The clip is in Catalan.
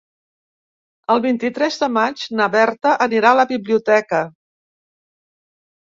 El vint-i-tres de maig na Berta anirà a la biblioteca.